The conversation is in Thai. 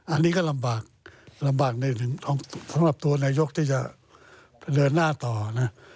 อันนี้ก็ลำบากลำบากสำหรับตัวนายกที่จะเดินหน้าต่อนะ